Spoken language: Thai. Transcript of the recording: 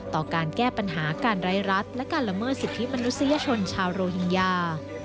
ต่อการแก้ปัญหาการไร้รัฐและการละเมิดสิทธิมนุษยชนชาวโรฮิงญา